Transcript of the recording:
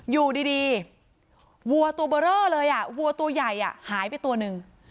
อยู่ดีวัวตัวเบอร์เรอเลยวัวตัวใหญ่หายไปตัวหนึ่ง